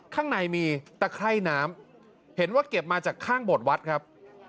ข้างในมีตะไคร่น้ำเห็นว่าเก็บมาจากข้างโบสถวัดครับ